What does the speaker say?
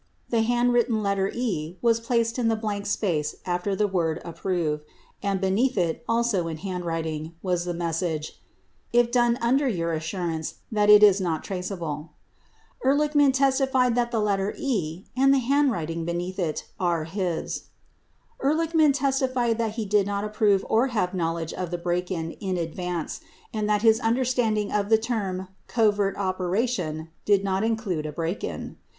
The handwritten letter "E" was placed in the blank space after the word "Approve" and beneath it, also in handwriting, was the message "if done under your assurance that it is not traceable." 76 Ehrlichman testified that the letter "E" and the handwriting beneath it are his. 77 Ehrlichman testified that he did not approve or have knowledge of the break in in advance and that his understanding of the term "covert operation" did not include a break in.